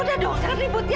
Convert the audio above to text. udah dong jangan ribut ya